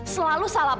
selalu salah paham